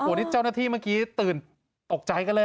นี่เจ้าหน้าที่เมื่อกี้ตื่นตกใจกันเลย